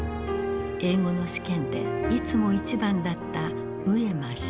英語の試験でいつも一番だった上間繁子。